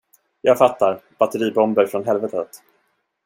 Jag fattar, batteribomber från helvetet.